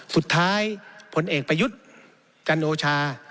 สุดท้ายผลเอกประยุทธ์กันโอชา